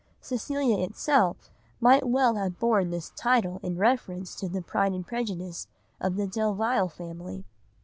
Cecilia itself might well have borne this title in reference to the pride and prejudice of the Delvile family.